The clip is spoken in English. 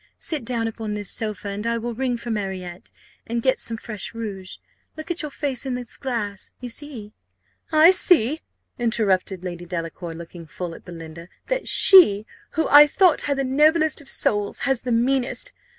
Sit down upon this sofa, and I will ring for Marriott, and get some fresh rouge. Look at your face in this glass you see " "I see," interrupted Lady Delacour, looking full at Belinda, "that she who I thought had the noblest of souls has the meanest!